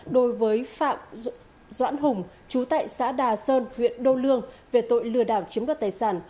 đối với phạm doãn hùng chú tại xã đà sơn huyện đô lương về tội lừa đảo chiếm đoạt tài sản